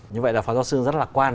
như vậy là pháp giáo sư rất lạc quan